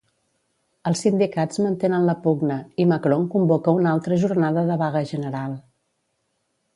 Els sindicats mantenen la pugna, i Macron convoca una altra jornada de vaga general.